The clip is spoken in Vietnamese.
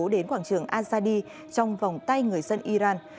đến quảng trường azadi trong vòng tay người dân iran